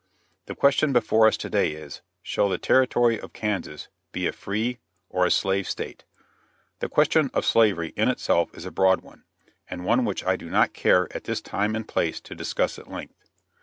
The question before us to day is, shall the territory of Kansas be a free or a slave state. The question of slavery in itself is a broad one, and one which I do not care at this time and place to discuss at length.